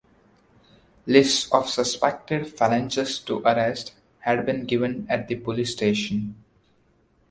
Lists of suspected Falangists to arrest had been given at the police station.